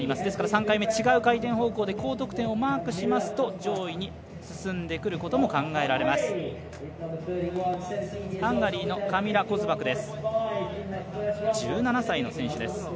ですから３回目、違う回転方向で高得点をマークしますと上位に進んでくることも考えられます。